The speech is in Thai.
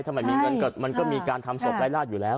ทำไมมีเงินเกิดมันก็มีการทำศพร้ายราชอยู่แล้ว